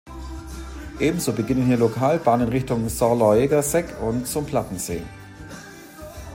Ebenso beginnen hier Lokalbahnen Richtung Zalaegerszeg und zum Plattensee.